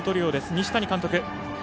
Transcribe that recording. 西谷監督。